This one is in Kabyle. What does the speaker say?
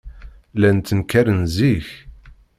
Llan ttenkaren zik.